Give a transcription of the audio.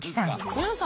皆さん